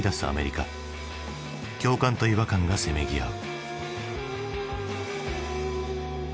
共感と違和感がせめぎ合う。